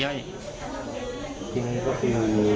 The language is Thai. จริงก็คือเกิดปัญหาในประเทศที่แล้ว